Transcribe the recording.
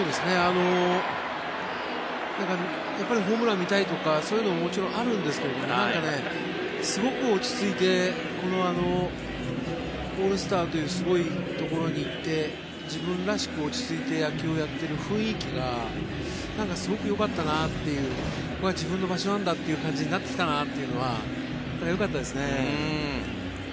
ホームラン見たいとかそういうのももちろんあるんですけどすごく落ち着いてこのオールスターというすごいところに行って自分らしく落ち着いて野球をやっている雰囲気がすごくよかったなというここは自分の場所なんだという感じになってきたのはよかったですね。